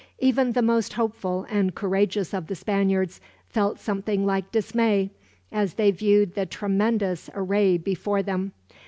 Even the most hopeful and courageous of the Spaniards felt something like dismay, as they viewed the tremendous array before them.